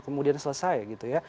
kemudian selesai gitu ya